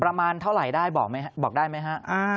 ประมาณเท่าไหร่ได้บอกได้ไหมฮะ